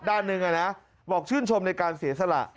ด้านหนึ่งนะบอกชื่นชมในการเสียสละ